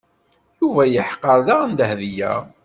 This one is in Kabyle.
Yuba yeḥqer daɣen Dahbiya.